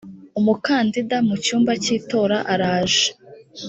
umukandida mu cyumba cy itora araje